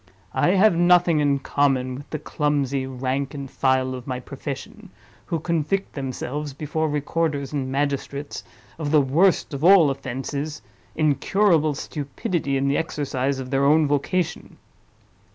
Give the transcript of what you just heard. I have nothing in common with the clumsy rank and file of my profession, who convict themselves, before recorders and magistrates, of the worst of all offenses—incurable stupidity in the exercise of their own vocation.